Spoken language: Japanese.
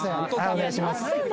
お願いします